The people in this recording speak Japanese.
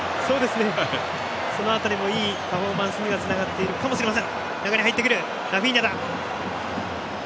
その辺りもいいパフォーマンスにはつながっているかもしれません。